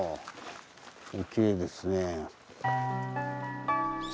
きれいですね。